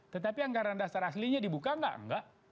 tetapi anggaran dasar aslinya dibuka enggak enggak